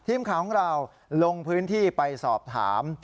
ทีมข่าวของเราลงพื้นที่ไปสอบถาม